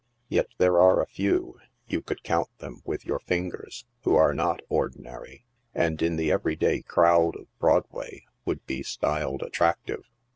Yet there are a few— you could count them with your fingers — who are not ordinary, and in the every day crowd of Broadway would be styled attractive.